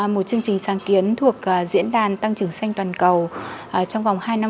một chương trình sáng kiến phát triển bền vững ids và chương trình vươn tới đỉnh cao raid to the top